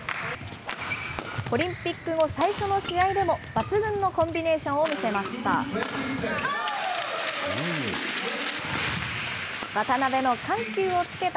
オリンピック後最初の試合でも、抜群のコンビネーションを見せました。